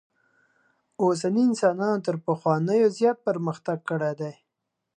اوسني انسانانو تر پخوانیو زیات پرمختک کړی دئ.